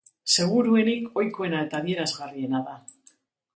Seguruenik ohikoena eta adierazgarriena da.